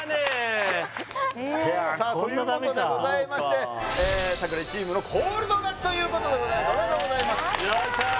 さあということでございまして櫻井チームのコールド勝ちということでございますおめでとうございますよっしゃ！